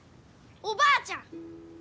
おばあちゃん！